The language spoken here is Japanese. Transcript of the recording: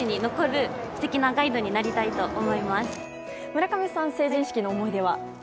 村上さん、成人式の思い出は？